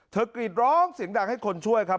กรีดร้องเสียงดังให้คนช่วยครับ